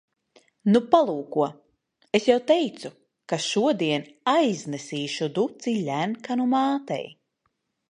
Nu, palūko. Es jau teicu, ka šodien aiznesīšu duci Ļenkanu mātei.